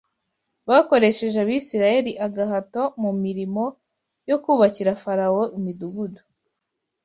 Bakoresheje Abisirayeli agahato mu mirimo yo kubakira Farawo imidugudu